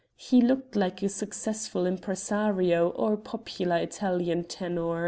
He looked like a successful impressario or popular Italian tenor.